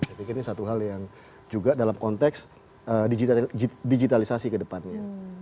saya pikir ini satu hal yang juga dalam konteks digitalisasi ke depannya